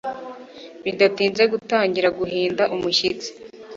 bidatinze gutangira guhinda umushyitsi